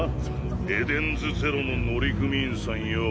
エデンズゼロの乗組員さんよぉ。